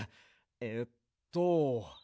えっと。